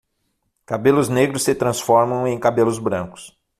Cabelos negros se transformam em cabelos brancos